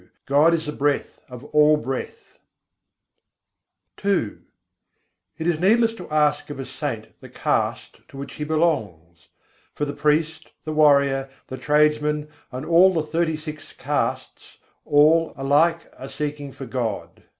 God is the breath of all breath." II I. 16. Santan jât na pûcho nirguniyân It is needless to ask of a saint the caste to which he belongs; For the priest, the warrior. the tradesman, and all the thirty six castes, alike are seeking for God.